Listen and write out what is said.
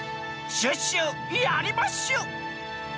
「シュッシュやりまッシュ！」。